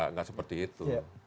nggak seperti itu